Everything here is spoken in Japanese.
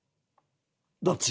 どっち？